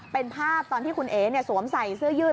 เป็นภาพตอนที่คุณเอ๋สวมใส่เสื้อยืด